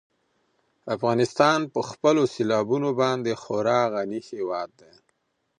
افغانستان په خپلو سیلابونو باندې خورا غني هېواد دی.